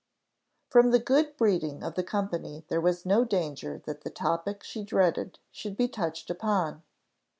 From the good breeding of the company there was no danger that the topic she dreaded should be touched upon.